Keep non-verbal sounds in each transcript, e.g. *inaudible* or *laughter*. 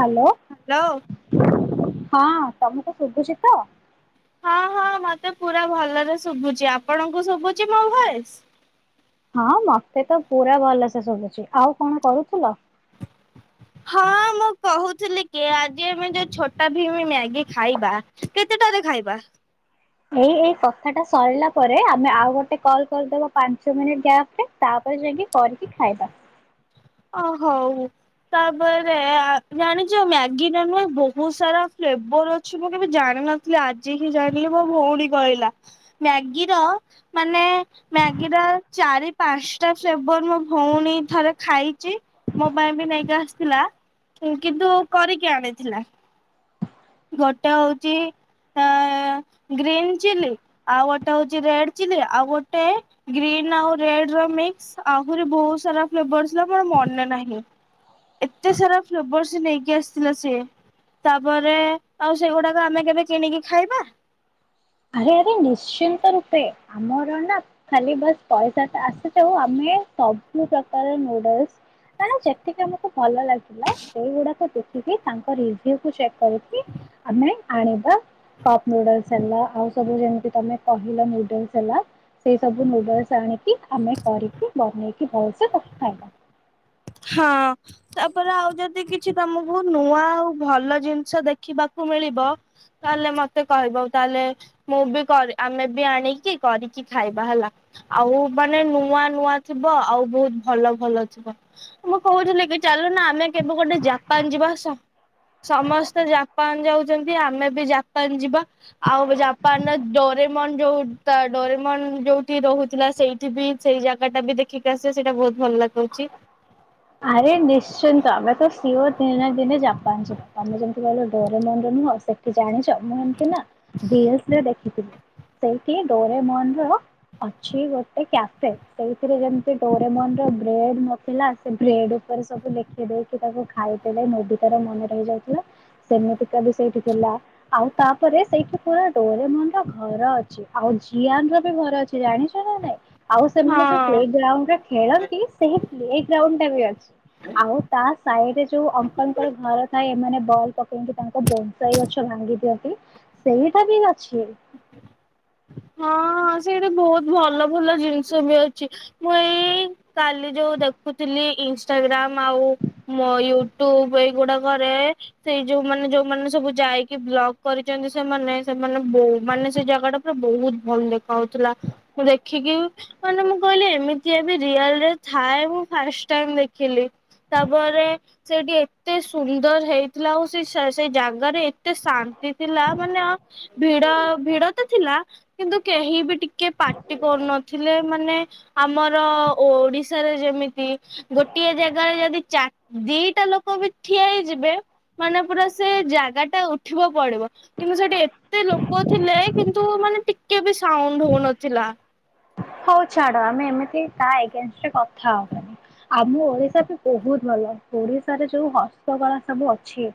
Hello hello ହଁ ତମ ଶୁଭୁଚି ତ। ହଁ ହଁ ମତେ ପୁରା ଭଲରେ ଶୁଭୁଚି ଆପଣଙ୍କୁ ଶୁଭୁଚି ମୋ ଭଏସ? ହଁ ମତେ ତ ପୁରା ଭଲସେ ଶୁଭୁଚି ଆଉ କଣ କରୁଥିଲ? ହଁ ମୁଁ କୋହୁଥିଲି କି ଆଜି ଆମେ ଯୋଉ ଛୋଟା ଭୀମ ମ୍ୟାଗି ଖାଇବା କେତେଟାରେ ଖାଇବା? ଏଇ ଏଇ କଥାଟା ସରିଲା ପରେ ଆମେ ଆଉ ଗୋଟେ କଲ କରିଦବା ପାଞ୍ଚ ମିନିଟ ଗ୍ୟାପରେ ତାପରେ ଯାଇଁକି କରିକି ଖାଇବା। ଓ ହୋଉ ତାପରେ ଆ ଜାଣିଚ ମ୍ୟାଗିର ନା ବହୁତ ସାରା ଫ୍ଲେବର ଅଛି ବୋଲି ମୁଁ ଜାଣିିନଥିଲି ଆଜି ହିଁ ଜାଣିଲି ମୋ ଭଉଣୀ କହିଲା ମ୍ୟାଗିର ମାନେ ମ୍ୟାଗିର ଚାରି ପାଞ୍ଚଟା ଫ୍ଲେବର୍ ମୋ ଭଉଣୀ ଥରେ ଖାଇ ଚି ମୋ ପାଇଁ ବି ନେଇକି ଆସିଥିଲା କିନ୍ତୁ କରିକି ଆଣିଥିଲା। ଗୋଟେ ହଉଚି ଆଂ ଗ୍ରୀନ ଚିଲି ଆଉ ଗୋଟେ ହୋଉଚି ରେଡ ଚିଲି ଆଉ ଗୋଟେ ଗ୍ରୀନ୍ ଆଉ ରେଡର ମିକ୍ସ ଆହୁରି ବୋହୁତ ସାରା ଫ୍ଲେବର୍ ଥିଲା ମୋର ମନେ ନାହିଁ ଏତେ ସାରା ଫ୍ଲେବର ସେ ନେଇକି ଆସିଥିଲା ସିଏ ତାପରେ ଆଉ ସେଗୁଡାକ ଆମେ କେବେ କିଣିକି ଖାଇବା। ଆରେ ଆରେ ନିଶ୍ଚିନ୍ତ ରୂପେ ଆମର ନା ଖାଲି ବାସ୍ ପଇସାଟା ଆସିଯାଉ ଆମେ ସବୁ ପ୍ରକାର ନୁଡଲସ ମାନେ ଯେତିକି ଆମକୁ ଭଲ ଲାଗିଲା ସେଇଗୁଡାକୁ ଦେଖିକି ତାଙ୍କ ରିଭ୍ୟୁକୁ ଚେକ୍ କରିକି ଆମେ ଆଣିବା କପ ନୁଡଲଶ୍ ଆଉ ସବୁ ଯେମିତି ତମେ। କହିଲ ନୁଡଲସ ହେଲା ସେଇ ସବୁ ନୁଡଲସ ଆଣି ଠିକ୍ ଆମେ କରିକି। ବନେଇକି ଭଲସେ ତାକୁ ଖାଇବା। ହଁ ତାପରେ ଆଉ ଯଦି କିଛି ତମକୁ ନୂଆ ଆଉ ଭଲ ଜିନିଷ ଦେଖିବାକୁ ମିଳିବ ତାହେଲେ ମତେ କହିବ ତାହେଲେ ମୁଁ ବି ଆମେ ବି ଆଣିକି କରିକି ଖାଇବା ହେଲା, ଆଉ ମାନେ ନୂଆ ନୂଆ ଥିବ ଆଉ ବହୁତ ଭଲ ଭଲ ଥିବ। ମୁଁ କହୁଥିଲି କି ଚାଲୁନ ଆମେ କେବେ ଗୋଟେ ଜାପାନ ଯିବା, ସମ୍ ସମସ୍ତେ ଜାପାନ ଯାଉଛନ୍ତି ଆମେ ବି ଜାପାନ ଯିବା। ଆଉ ଜାପାନରେ ଡୋରେ ଯୋଉ ତା ଡରିମନ ଯୋଉଠି ରହୁଥିଲା ସେଇଠି ବି ସେଇ ଜାଗା ଟା ବି ଦେଖିକି ଆସିବାେ ସେଇଟା ବହୁତ ଭଲ ଲାଗୁଛି। ଆରେ ନିଶ୍ଚିନ୍ତ ଆମେ ତ ସିଓର ଦିନେ ନା ଦିନେ ଜାପ ପାଞ୍ଚିବା ଆମେ ଯେମିତି ଭଲ। ଡୋରେମନ ର ନୁହଁ ସେଠି ଜାଣିଛ ମୁଁ ଏମତି ନା ରିଲସରେ ଦେଖିଥିଲି, ସେଇଠି ଡୋରେମନ ର ଅଛି ଗୋଟେ କ୍ୟାଫେ, ସେଇଥିରେ ଯେମିତି ଡୋରେମନ ବ୍ରେଡ ନଥିଲା। ସେ ବ୍ରେଡ ଉପରେ ସବୁ ଲେଖିଦେଇକି ତାକୁ ଖାଇଦଲେ ମୁଁ ବି ତାର ମନେ ରହିଯାଉଥିଲା ସେମିତିକା ବି ସେଇଠି ଥିଲା ଆଉ ତାପରେ ସେଇଠି ପୁରା ଡୋରେମନ ର ଘର ଅଛି ଆଉ ଜିଆନ ର ବି ଘର ଅଛି। ଜାଣିଛ ନା ନାଇଁ ଆଉ ସେମାନେ ଯୋଉ ପ୍ଲେ ହଁ। ଗ୍ରାଉଣ୍ଡରେ ଖେଳନ୍ତି ସେ ପ୍ଲେ ଟା ବି ଅଛି। ଆଉ ତା ସାଇଡରେ ଯୋଉ ଅଙ୍କଲଙ୍କର ଘର ଥାଏ ଏମାନେ। ବଲ୍ ପକେଇକି ତାଙ୍କ ବୋନସାଇ ଗଛ ଭାଙ୍ଗି ଦିଅନ୍ତି, ସେଇଟା ବି ଅଛି। *unintelligible* ହଁ ସେଇଠି ବହୁତ ଭଲ ଭଲ ଜିନିଷ ବି ଅଛି, ମୁଁ ଏଇ କାଲି ଯୋଉ ଦେଖୁଥିଲି ଇନଷ୍ଟାଗ୍ରାମ ଆଉ ମୋ ୟୁଟ୍ୟୁବ ଏଇଗୁଡାକରେ ସେଇ ଯୋଉ ମାନେ ଯୋଉମାନେ ସବୁ ଯାଇକି ବ୍ଲଗ କରିଛନ୍ତି ସେମାନେ ସେମାନେ ବୋ ମାନେ ସେ ଜାଗା ଟା ବହୁତ ଭଲ ଦେଖାଉଥିଲା, ମୁଁ ଦେଖିକି ମାନେ ମୁଁ କହିଲି ଏମିତି ଏବେ ରିଅଲରେ ଥାଏ ମୁଁ ଫାଷ୍ଟ ଟାଇମ ଦେଖିଲି, ତାପରେ ସେଠି ଏତେ ସୁନ୍ଦର ହେଇଥିଲା ଆଉ ସେ ଜାଗାରେ। ଏତେ ଶାନ୍ତି ଥିଲା ମାନେ ଭିଡ ଭିଡ ତ। ଥିଲା କିନ୍ତୁ କେହି ବି ଟିକେ। କିଏ ପାଟି କରୁନଥିଲେ ମାନେ ଆମର। ଆ ଓଡିଶାରେ ଯେମିତି। ଗୋଟିଏ ଜାଗାରେ ଯଦି ଚାର ଦି ଟା ଲୋକ ବି ଠିଆ ହେଇଯିବେ। ମାନେ ପୁରା ସେ ଜାଗା ଟା ଉଠିବ ପଡିବ କିନ୍ତୁ ସେଠି ଏ ଏତେ ଲୋକ ଥିଲେ। କିନ୍ତୁ ମାନେ ଟିକେ ବି ସାଉଣ୍ଡ ହଉନଥିଲା। ହଉ ଛାଡ ଆମେ ଏମିତି ତା ଏଗେନଷ୍ଟରେ କଥା ହବାନି, ଆମ ଓଡିଶା ବି ବହୁତ ଭଲ ଓଡିଶାରେ ଯୋଉ ହସ୍ତକଳା ସବୁ ଅଛି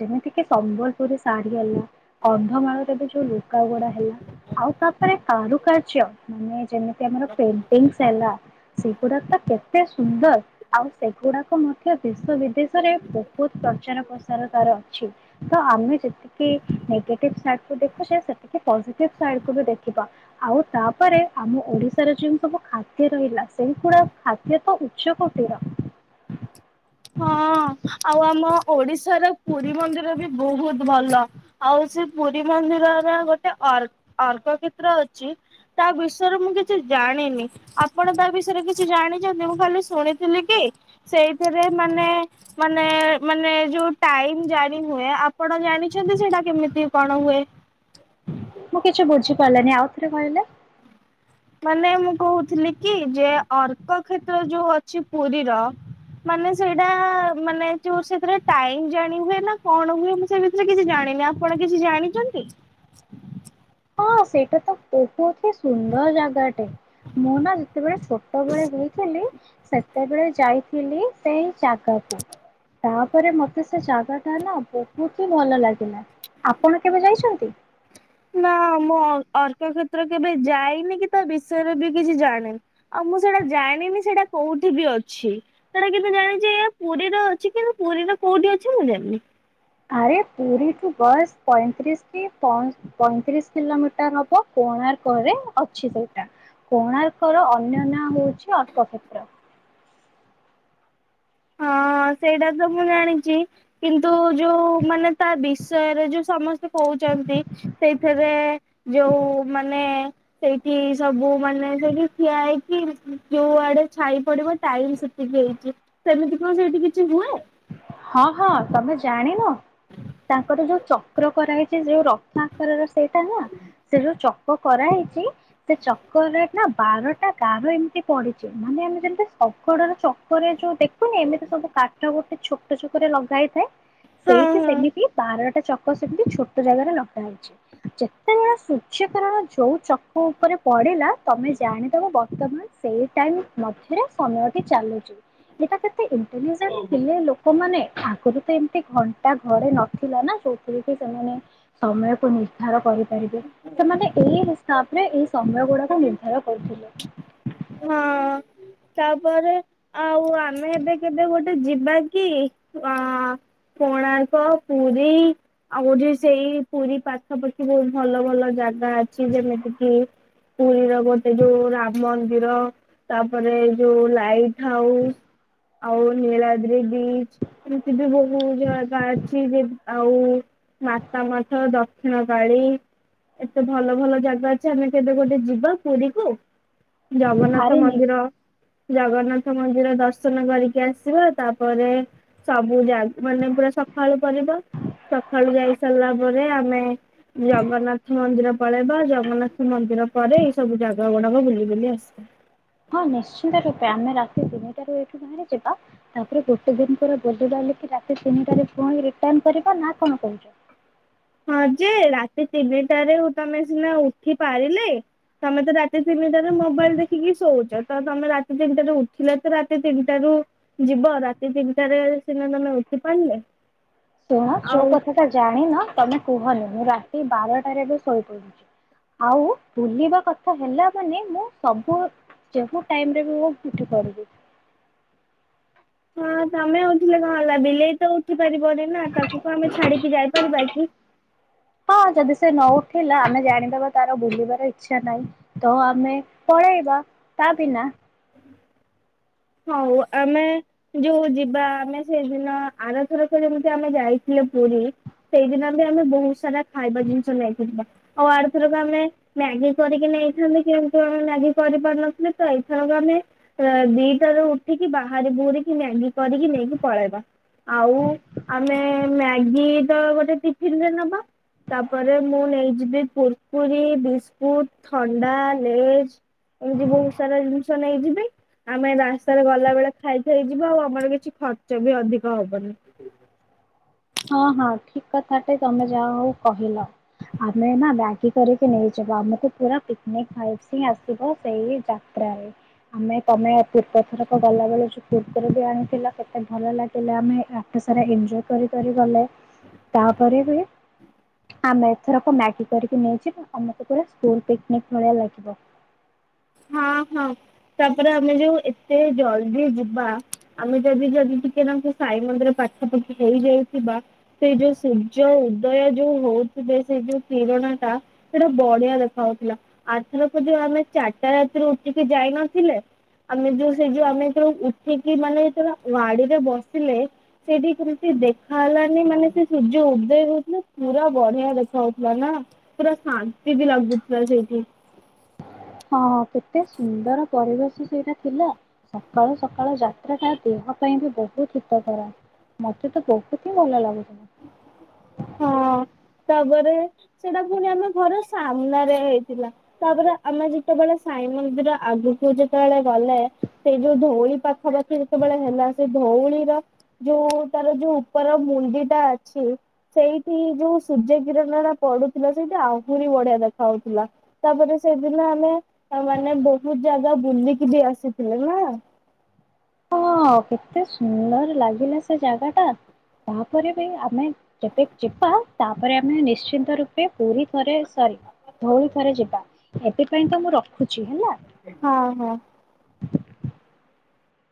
ଯେମିତି କି ସମ୍ବଲପୁରୀ ଶାଢ଼ୀ ହେଲା, କନ୍ଧମାଳରେ ବି ଯୋଉ ଲୁଗାଗୋଡା ହେଲା ଆଉ ତାପରେ କାରୁକାର୍ଯ୍ୟ ମାନେ ଯେମିତି। ଆମର ପେଣ୍ଟିଙ୍ଗସ। ସେଲା ସେଗୁଡା ତ କେତେ ସୁନ୍ଦର ଆଉ ସେଗୁଡାକ ମଧ୍ୟ ଦେଶ ବିଦେଶରେ ବହୁତ ପ୍ରଚାର ପ୍ରସାର ତାର ଅଛି ତ ଆମେ ଯେତିକି ନେଗେଟିଭ ସାଇଡକୁୁ ଦେଖୁଛେ ସେତିକି ପଜିଟିଭ ସାଇଡକୁୁ ବି ଦେଖିବା ଆଉ ତାପରେ ଆମ ଓଡି ରେ ଯୋଉଁ ସବୁ ଖାଦ୍ୟ ରହିଲା ସେଇଗୁଡା ଖାଦ୍ୟ ତ ଉଚ୍ଚ କୋଟିର। ହଁ ଆଉ ଆମ ଓଡିଶାର ପୁରୀ ମନ୍ଦିର ବି ବହୁତ ଭଲ ଆଉ ସେ ପୁରୀ ମନ୍ଦିରର ଗୋଟେ ଅ ଅର୍କ କ୍ଷେତ୍ର ଅଛି ତା ବିଷୟରେ ମୁଁ କିଛି ଜାଣିନି ଆପଣ ତା ବିଷୟରେ କିଛି ଜାଣିଛନ୍ତି ମୁଁ ଖାଲି ଶୁଣିଥିଲି କି ସେଇଥିରେ ାନେ ମାନେ ମାନେ ଯୋଉ ଟାଇ ଜାଣି ହୁଏ ଆପଣ ଜା ଛନ୍ତି ସେଇଟା କେମିତି କଣ ହୁଏ ମୁଁ କିଛି ବୁଝି ପାରିଲିନି ଆଉଥରେ କହିଲେ। ମାନେ ମୁଁ କହୁଥିଲି କି ଯେ ଅର୍କ କ୍ଷେତ୍ର ଯୋଉ ଅଛି ପୁରୀର ମାନେ ସେଇଟା ମାନେ ଯୋ ସେଥିରେ ଟାଇ ଜାଣି ହୁଏ ନା କଣ ହୁଏ ମୁଁ ସେ ଭିତରେ କିଛି ଜାଣିନି ଆପଣ କିଛି ଜାଣିଛନ୍ତି ହଁ ସେଇଟା ତ ବହୁତ ହି ସୁନ୍ଦର ଜାଗାଟେ ମୁଁ ନା ଯେତେବେଳେ ଛୋଟବେଳେ ହେଇଥିଲି ସେତେବେଳେ ଯାଇଥିଲି ସେଇ ଜାଗାକୁ ତାପରେ ମତେ ସେ ଜାଗା ଟା ନା ବହୁତ ହି ଭଲ ଲାଗିଲା ଆପଣ କେବେ ଯାଇଛନ୍ତି ନା ମୁଁ ଅର୍କ କ୍ଷେତ୍ର କେବେ ଯାଇନି କି ତା ବିଷୟରେ ବି କିଛି ଜାଣେନି ଆଉ ମୁଁ ସେଟା ଜାଣିନି ସେଇଟା କୋଉଠି ବି ଅଛି ସେଟା କିନ୍ତ ଜାଣିଛି ଏ ପୁରୀର ଅଛି କିନ୍ତ ପୁରୀର କୋଉଠି ଅଛି ମୁଁ ଜାଣିନି ଆରେ ପୁରୀ ଟୁ ବୟସ୍ ପଇଁତିରିଶ ପଇଁତିରିଶ କିଲୋମିଟର ହବ କୋଣାର୍କରେ ଅଛି ସେଇଟା କୋଣାର୍କର ଅନ୍ୟ ନାଁ ହଉଛି ଅର୍ଥକ୍ଷ୍େତ୍ର ହଁ ସେଇଟା ତ ମୁଁ ଜାଣିଛି କିନ୍ତୁ ଯୋଉ ମାନେ ତା ବିଷୟରେ ଯୋଉ ସମସ୍ତେ କଉଛନ୍ତି ସେଇଥିରେ ଯୋଉ ମାନେ ସେଇଠି ସବୁ ମାନେ ସେଇଠି ଠିଆ ହେଇକି ଯୋଉ ଆଡେ ଛାଇ ପଡିବ ଟାଇମ ସେତିକି ହେଇଛି ସେମିତି କଣ ସେଇଠି କିଛି ହୁଏ ହଁ ହଁ ତମେ ଜାଣିନ ତାଙ୍କର ଯୋଉ ଚକ୍ର କରାହେଇଛି ଯୋଉ ରଥ ଆକାରର ସେଇଟା ନା ସେ ଯୋଉ ଚ କରାହେଇଛି ସେ ଚକରେ ନା ବାରଟା ଗାର ଏମିତି ପଡିଛି ମାନେ ଆମେ ଯେମିତି ଶକଡର ଚକରେ ଯୋଉ ଦେଖୁନି ଏମିତି ସବୁ କାଠ ଗୋ ଛୋଟ ଛୋକ ରେ ଲଗା ହେଇଥାଏ ହଁ ସେଇଠି ହଁ ସେମିତି ବାରଟା ଚକ ସେମିତି ଛୋଟ ଜାଗାରେ ଲଗା ହେଇଛି ଯେତେ ଜଣ ସୂର୍ଯ୍ୟ କାରଣ ଯୋଉ ଚକ ଉପରେ ପଡିଲା ତମେ ଜାଣି ତମ ବ ବର୍ତ୍ତମାନ ସେଇ ଟାଇମ ମଧ୍ୟରେ ସମୟଟି ଚାଲୁଛି ଏଟା କେେଣ୍ଟଭି ଜ ଲୋକମାନୋନ ଆଗରୁ ତ ଏମିତି ଘଣ୍ଟା ଘରେ ନଥିଲା ନା ଯୋଉଥିରେ କି ସେମାନେ ସମୟକୁ ନିର୍ଦ୍ଧାର କରିପାରିବେ ସେମାନେ ଏଇ ହିସାବ ରେ ଏଇ ସମୟ ଗୁଡାକୁ ନିର୍ଦ୍ଧାର କରୁଥିଲେ ହଁ ତାପରେ ଆଉ ଆମେ ଏବେ କେବେ ଗୋଟେ ଯିବା କି ଅ କୋଣାର୍କ ପୁରୀ ଆଉଠ ସେଇ ପୁରୀ ପାଖାପାଖି ବହୁତ ଭଲ ଭଲ ଜାଗା ଅଛି ଯେମିତି କିି ପୁରୀର ଗୋଟେ ଯୋଉ ରାମ ମନ୍ଦି ମନ୍ଦ ତାପରେ ଯୋଉ ଲାଇଟ ହାଉସ ଆଉ ନୀଳାଦ୍ରି ବିଚ ଏମିତି ବି ବହୁତ ଜାଗା ଅଛି ଆଉ ମାତା ମାଥ ଦକ୍ଷିଣ କାଳୀ ଏତେ ଭଲ ଭଲ ଜାଗା ଅଛି ଆମେ କେବେ ଗୋଟେ ଯିବା ପୁରୀକୁ ଜଗନ୍ନାଥ ଆରେ ନି ମନ୍ଦିର ଜଗନ୍ନାଥ ମନ୍ଦିର ଦର୍ଶନ କରିକି ଆସିବା ତାପରେ ସବୁ ଜାଗ ମାନେ ପୁରା ସକାଳୁ ପରିବ ସକାଳୁ ଯାଇ ସାରିଲା ପରେ ଆମେ ହୁଁ ଜଗନ୍ନାଥ ମନ୍ଦିର ପଳେଇବା ଜଗନ୍ନାଥ ମନ୍ଦିର ପରେ ଏଇ ସବୁ ଜାଗା ଗୁଡାକ ବୁଲି ବୁଲି ଆସ ହଁ ନିଶ୍ଚିନ୍ତ ରୂପେ ଆମେ ତିନିଟଠ ବାହାରି ଯିବା ତାପରେ ଗୋଟେ ଦିନ ପରେ ବୁିଲ ରା ତିନିଟୁଣି କରିବା ନା କଣ କହୁ ହଁ ଯେ ରାତି ତିନିଟାରେ ତମେ ସିନା ଉଠି ପାରିଲେ ତମେ ତ ରାତି ତିନିଟାରେ ମୋବାଇଲ ଦେଖିକି ଶୋଉଛ ତ ତମେ ରାତି ତିନିଟାରେ ଉଠିଲ ତ ରାତି ତିନିଟ ର ଯିବ ରାତି ତିନିଟାରେ ସିନା ତମେ ଉଠି ପାରିଲେ ଶୁଣ ଯୋଉ ଆଉ କଥା ତ ଜଣଣି ନ ତମେ କୁହନି ମୁଁ ରାତି ବାରଟାରେ ବି ଶୋଇ ପଡୁଛି ଆଉ ଭୁଲିବା କଥା ହେଲା ମାନେ ମୁଁ ସବୁ ଟାଇରେ ବି ମୁଠି କର ହଁ ତମେ ହଉଥିଲେ କଣ ହେଲା ବିଲେଇ। ତ ଉଠି ପାରିବନି ନା ତାକୁ ତ ଆମେ ଛାଡିକି ଯାଇପାରିବା କି। ହଁ ଯଦି ସେ ନ ଉଠିଲା ଆମେ ଜାଣିଦବା ତାର ବୁଲିବାର ଇଛା ନାହିଁ ତ ଆମେ ପଳେଇବା ତା ବିନା। ହଉ ଆମେ ଯୋଉ ଯିବା ଆମେ ସେଇଦିନ ଆରଥରକ ଯେମିତି ଆମେ ଯାଇଥିଲେ ପୁରୀ ସେଇଦିନ ବି ଆମେ ବହୁତ ସାରା ଖାଇବା ଜିନିଷ ନେଇଥିଲେ ଆଉ ଆରଥରକ ଆମେ ମ୍ୟାଗି କରିକି ନେଇଥାନ୍ତ କିନ୍ତୁ ଆମେ ମ୍ୟାଗି କରିପାରୁନଥିଲେ ତ ଏଇଥରକ ଆମେ ଦି। ଉଠିକି ବାହାରି ବୁହୁରିକି ମ୍ୟାଗି କରିକି ନେଇକି ପଳେଇବା। ଆଉ ଆମେ ମ୍ୟାଗି ତ ଗୋଟେ। ଫେରିଲେ ନବା। ତାପରେ ମୁଁ ନେଇଯିବି ପୁ ପୁରି ବିସ୍କୁଟ ଥଣ୍ଡା ଲେଜ୍ ଏମିତି ବହୁତ ସାରା ଜିନିଷ ନେଇଯିବି ଆମେ ରା ରାସ୍ତାରେ ଗଲା ବେଳେ ଖାଇଖାଇଯିବା ଆଉ ଆମର କିଛି ଖର୍ଚ୍ଚ ବି ଅଧିକ ହବନି। ହଁ ହଁ ଠିକ୍ କଥାଟେ ତମେ ଯାହା ହଉ କହିଲ ଆମେ ନା ମ୍ୟାଗି କରିକି ନେଇଯିବ ଆମକୁ ପୁରା ପିକନିକ ଭାଇବିସ୍ ହିଁ ଆସିବ ସେଇ ଯାତ୍ରାରେ ଆମେ ତମେ ପୂର୍ବ ଥରକ ଗଲାବେେଳ ଯ ପୂର୍ବରୁ ବି ଆଣିଥିଲ କେତେ ଭଲ ଲାଗିଲା ଆମେ ରାସ୍ତା ସାରା ଏଞ୍ଜୟ୍ କରି ଗଲେ ତାପରେ ବି ଆମେ ଏଥରକ ମ୍ୟାଗି କରିକି ନେଇ ଯିବା ଆମକୁ ପୁରା ସ୍କୁଲ ପିକନିକ ଭଳିଆ ଲାଗିବ। ହଁ ହଁ ତାପରେ ଆମେ ଯୋଉ ଏତେ ଜଲଦି ଯିବା ଆମେ ଯଦି ଯଦି ଟିକେ ନାଗୁ ସାଇ ମନ୍ଦିର ପାଖପାଖି ହେଇଯାଇଥିବା ସେ ଯୋଉ ସୂର୍ଯ୍ୟ ଉଦୟ ଯୋଉ ହଉଥିବେ ସେଇ ଯୋଉ କିରଣା ଟା ସେଇଟା ବଢିଆ ଦେଖାଯାଉଥିଲା ଆଥରକ ଯୋଉ ଆମେ ଚା ରାତିରୁ ଉଠିକି ଯାଇନଥିଲେ ଆମେ ଯୋଉ ସେ ଯୋଉ ଆମେ ଏର ଉଠିକି ମାନେ ଯେତେବେଳେ ଗାଡିରେ ବସିଲେ ସେଇଠି କେମିତି ଦେଖାହେଲାନି ମାନେ ସେ ସୂର୍ଯ୍ୟ ଉଦଦେଇ ହଉଥିଲା ପୁରା ବଢିଆ ଦେଖାଯାଉଥିଲା ନା ପୁରା ଶାନ୍ତି ବି ଲାଗୁଥିଲା ସେଇଠି। ହଁ କେତେ ସୁନ୍ଦର ପରିବେଶ ସେଇଟା ଥିଲା ସକାଳୁ ସକାଳୁ ଯାତ୍ରାଟା ଦେହ ପାଇଁ ବି ବହୁତ ହିତକର ମତେ ତ ବହୁତ ହିଁ ଭଲ ଲାଗୁଥିଲା। ‌ ହଁ ତାପରେ ସେଟା ପୁଣି ଆମ ଘର ସାମ୍ନାରେ ହେଇଥିଲା ତାପରେ ଆମେ ଯେତେବେଳେ ସାଇ ମନ୍ଦିର ଆଗକୁ ଯେତେବେଳେ ଗଲେ ସେଇ ଯୋଉ ଧଉଳି ପାଖାପାଖି ଯେତେବେଳେ ହେଲା ସେ ଧଉଳିର ଯୋଉ ତାର ଯୋଉ ଉପର ମୁଣ୍ଡିଟା ଅଛି। ସେଇଠି ଯୋଉ ସୂର୍ଯ୍ୟ କିରଣ ଟା ପଡୁଥିଲା ସେଇଠି ଆହୁରି ବଢିଆ ଦେଖା ହାଉଥିଲା ତାପରେ ସେଦିନ ଆମେ ମାନେ ବହୁତ ଜାଗା ବୁଲିକି ବି ଆସିଥିଲେ ନା। ହଁ କେତେ ସୁନ୍ଦର ଲାଗିଲା ସେ ଜାଗା ଟା ତାପରେ ବି ଆମେ ଯେବେ ଯିବା ତାପରେ ଆମେ ନିଶ୍ଚିନ୍ତ ରୂ ପୁରୀ ଥରେ ସରି ଧଉଳି ଥରେ ଯିବା ଏଥିପାଇଁ ତ ମୁଁ ରଖୁଛି ହେଲା। ହଁ ହଁ।